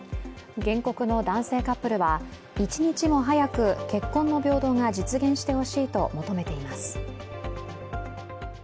原告の男性カップルは一日も早く結婚の平等が実現してほしいと求めています。